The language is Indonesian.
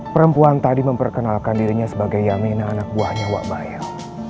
perempuan tadi memperkenalkan dirinya sebagai yamina anak buahnya wak bayal